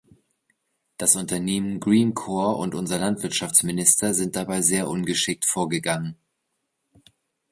Das Unternehmen Greencore und unser Landwirtschaftsminister sind dabei sehr ungeschickt vorgegangen.